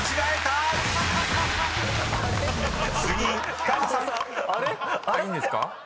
いいんですか。